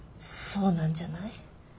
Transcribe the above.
そうなんじゃない？